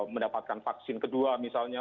mendapatkan vaksin kedua misalnya